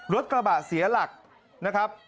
รถกระบะเสียหลักนะครับ